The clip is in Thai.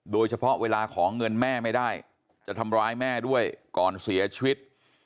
เวลาของเงินแม่ไม่ได้จะทำร้ายแม่ด้วยก่อนเสียชีวิต